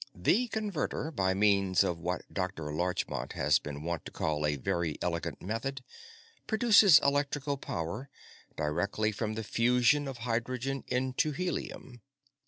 The Converter, by means of what Dr. Larchmont has been wont to call 'a very elegant method', produces electrical power directly from the fusion of hydrogen into helium.